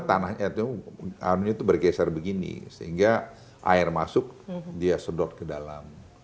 ya itu arunya itu bergeser begini sehingga air masuk dia sedot ke dalam